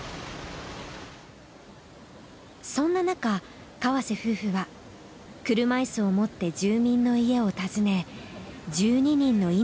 そんななか河瀬夫婦は車いすを持って住民の家を訪ね１２人の命を救いました。